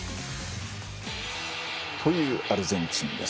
というアルゼンチンです。